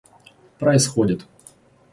происходит